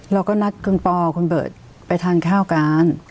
เราก็นัดคุณปอคุณเบิร์ตไปทานข้าวกัน